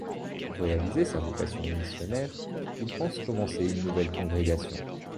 Pour réaliser sa vocation missionnaire, il pense commencer une nouvelle congrégation.